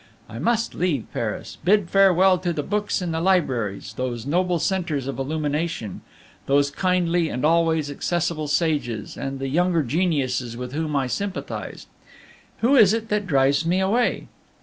I must leave Paris, bid farewell to the books in the libraries, those noble centres of illumination, those kindly and always accessible sages, and the younger geniuses with whom I sympathize. Who is it that drives me away?